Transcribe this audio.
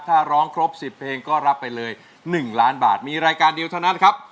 ถ้าร้องครบ๑๐เพลงก็รับไปเลย๑ล้านบาทมีรายการเดียวเท่านั้นครับ